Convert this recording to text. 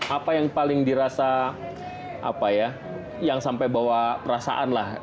apa yang paling dirasa apa ya yang sampai bawa perasaan lah